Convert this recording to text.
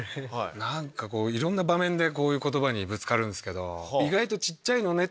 何かこういろんな場面でこういう言葉にぶつかるんですけど。